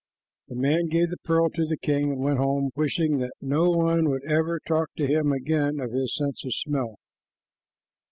The man gave the pearl to the king, and went home wishing that no one would ever talk to him again of his sense of smell.